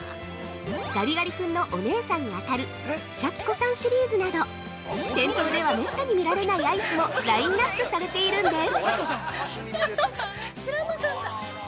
ガリガリ君のお姉さんに当たるシャキ子さんシリーズなど店頭ではめったに見られないアイスもラインナップされているんです！